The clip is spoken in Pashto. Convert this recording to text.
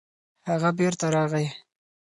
هغه بېرته راغی.